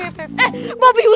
aduh aduh aduh